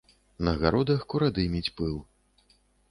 На гародах курадыміць пыл.